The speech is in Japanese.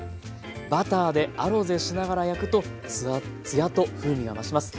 バターでアロゼしながら焼くとツヤと風味が増します。